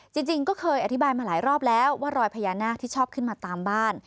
จริงก็เคยอธิบายมาหลายรอบแล้วว่ารอยพญานาคที่ชอบขึ้นมาตามบ้าน